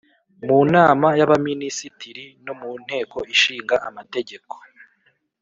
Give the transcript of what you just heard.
mu nama y'abaminisitiri no mu nteko lshinga amategeko.